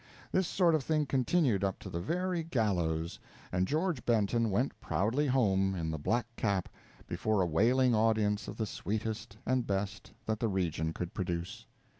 This sort of thing continued up to the very gallows, and George Benton went proudly home, in the black cap, before a wailing audience of the sweetest and best that the region could produce.